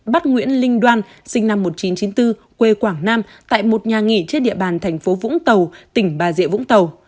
bắt nguyễn linh đoan sinh năm một nghìn chín trăm chín mươi bốn quê quảng nam tại một nhà nghỉ trên địa bàn thành phố vũng tàu tỉnh bà rịa vũng tàu